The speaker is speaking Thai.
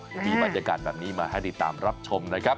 มีบรรยากาศแบบนี้มาให้ติดตามรับชมนะครับ